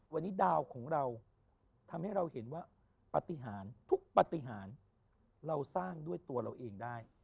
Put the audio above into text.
วันนี้ดาวของเราทำให้เราเห็นว่าปฏิหารทุกปฏิหารเราสร้างด้วยตัวเราเองได้